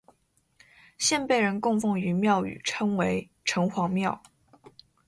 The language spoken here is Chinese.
现被人供奉于庙宇称为城隍庙。